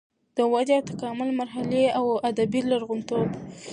د ودې او تکامل مرحلې او ادبي لرغونتوب